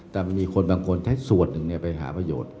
แต่มันมีคนบางคนใช้ส่วนหนึ่งไปหาประโยชน์